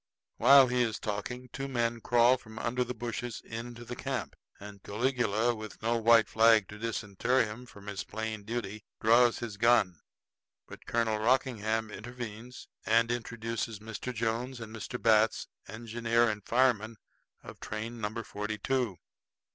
While he is talking, two men crawl from under the bushes into camp, and Caligula, with no white flag to disinter him from his plain duty, draws his gun. But again Colonel Rockingham intervenes and introduces Mr. Jones and Mr. Batts, engineer and fireman of train number forty two.